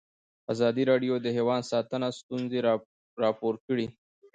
ازادي راډیو د حیوان ساتنه ستونزې راپور کړي.